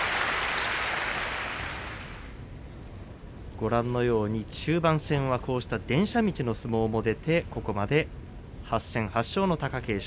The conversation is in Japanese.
ご覧のように中盤戦はこうした電車道の相撲も出てここまで８戦８勝の貴景勝。